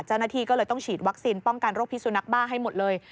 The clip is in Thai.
เจ้าหน้าที่ก็เลยต้องฉีดวัคซีนป้องกันโรคพิสุนักบ้าให้หมดเลย